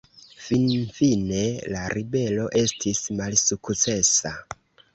Finfine, la ribelo estis malsukcesa.